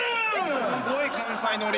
すごい関西ノリ。